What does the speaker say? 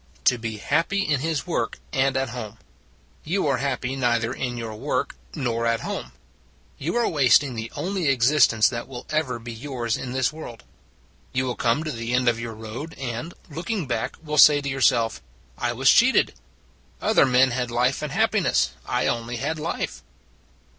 To be happy in his work and at home. You are happy neither in your work nor at home. You are wasting the only existence that will ever be yours in this world. You will come to the end of your 182 In Love e with Your Job 183 road and, looking back, will say to your self: "I was cheated. Other men had life and happiness: I had only life."